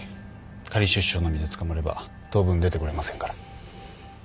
仮出所の身で捕まれば当分出てこれませんから。